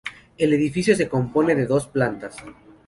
El edificio se compone de dos plantas.